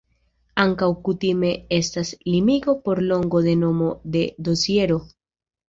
Ankaŭ kutime estas limigo por longo de nomo de dosiero.